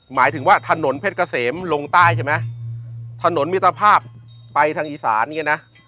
หมายถึงว่าถนนเพชรเกษมลงใต้ใช่ไหมถนนมิสรภาพไปทางอีสาน